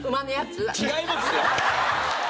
違いますよ！